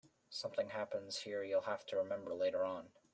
Something happens here you'll have to remember later on.